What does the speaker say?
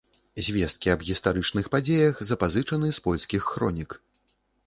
Звесткі аб гістарычных падзеях запазычаны з польскіх хронік.